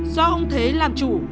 do ông thế làm chủ